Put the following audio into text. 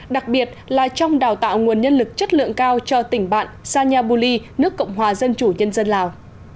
đặc biệt là trong đào tạo nguồn nhân lực chất lượng cao cho tỉnh bạn sanya buli nước cộng hòa dân chủ nhân dân lào